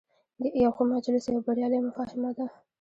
یو ښه مجلس یوه بریالۍ مفاهمه ده.